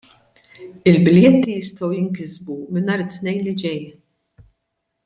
Il-biljetti jistgħu jinkisbu minn nhar it-Tnejn li ġej.